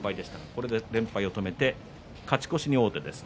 これで連敗を止めて勝ち越しに王手です。